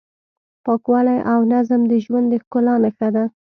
پاکوالی او نظم د ژوند د ښکلا نښه ده.